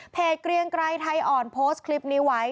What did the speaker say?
เกรียงไกรไทยอ่อนโพสต์คลิปนี้ไว้